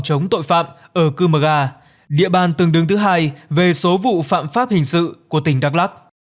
xã hội phạm ở cư mơ gà địa bàn tương đương thứ hai về số vụ phạm pháp hình sự của tỉnh đắk lắk